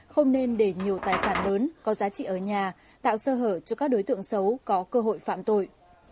không nên để nhiều tài sản lớn có giá trị ở nhà tạo sơ hở cho các đối tượng xấu có cơ hội phạm tội